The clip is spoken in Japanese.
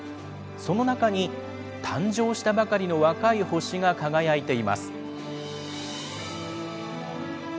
その中に誕生したばかりの若い星が輝いています。